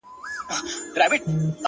شپه كي هم خوب نه راځي جانه زما-